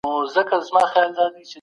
د حجاز عالمانو ته یې څه وویل؟